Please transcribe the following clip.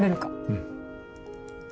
うん。